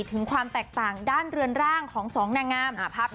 ถึงความแตกต่างด้านเรือนร่างของสองนางงาม